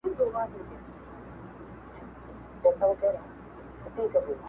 د هغه شپې څخه شپې نه کلونه تېر سوله خو,